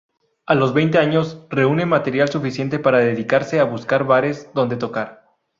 A los veinte años reúne material suficiente para decidirse a buscar bares donde tocar.